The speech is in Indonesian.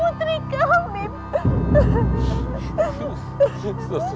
tolong temukan putri kami